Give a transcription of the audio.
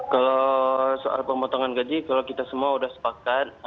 kalau soal pemotongan gaji kalau kita semua sudah sepakat